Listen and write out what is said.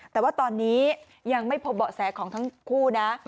แต่ว่าตอนนี้ยังไม่พบเบาะแสของทั้งคู่นะ